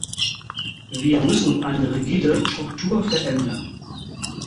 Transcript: Wir müssen eine rigide Struktur verändern.